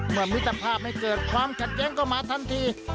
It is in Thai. เมื่อมิถาภาพไม่เกิดความกระเย้งก็มาทันที